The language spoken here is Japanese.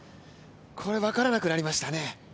これは分からなくなりましたね。